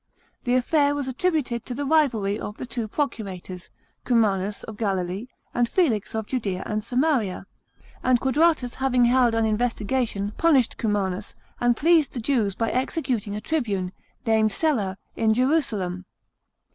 The affair was attributed to the rivalry of the two procurators, Cumanus of Galilee, and Felix of Judea and Samaria ; and Quadratus having held an investigation punished Cumanus, and pleased the Jews by executing a tribune, named Celer, in Jerusalem.